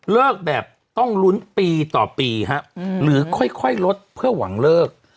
แบบต้องลุ้นปีต่อปีฮะหรือค่อยลดเพื่อหวังเลิก